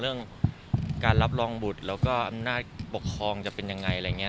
เรื่องการรับรองบุตรแล้วก็อำนาจปกครองจะเป็นยังไงอะไรอย่างนี้